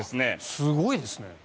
すごいですね。